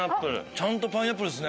ちゃんとパイナップルですね。